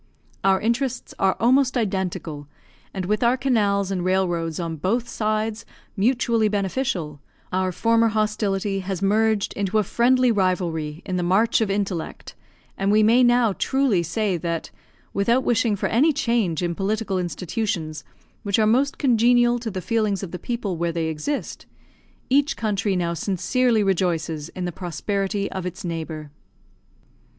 Our interests are almost identical, and with our canals and railroads on both sides mutually beneficial, our former hostility has merged into a friendly rivalry in the march of intellect, and we may now truly say that, without wishing for any change in political institutions, which are most congenial to the feelings of the people where they exist, each country now sincerely rejoices in the prosperity of its neighbour.